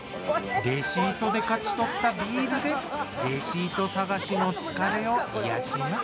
レシートで勝ち取ったビールでレシート探しの疲れを癒やします。